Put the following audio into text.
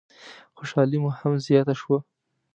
خوشحالي مو هم زیاته شوه.